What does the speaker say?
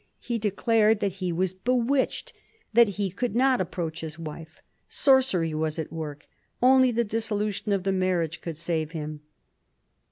He declared that he was bewitched — that he could not approach his wife. Sorcery was at work ; only the dissolution of the marriage could save him.